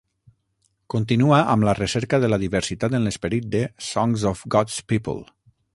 Continua amb la recerca de la diversitat en l'esperit de "Songs of God's People".